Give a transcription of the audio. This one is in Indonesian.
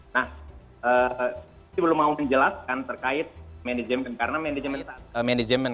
nah saya belum mau menjelaskan terkait manajemen